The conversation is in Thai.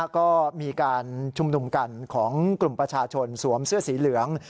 ก็มีการชุมนุมกันของกลุ่มประชาชนสวมเสื้อสีเหลือง